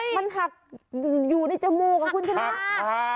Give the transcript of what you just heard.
มันหักอยู่ในจมูกค่ะคุณชาญศิริหักคา